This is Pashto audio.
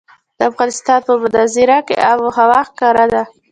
د افغانستان په منظره کې آب وهوا ښکاره ده.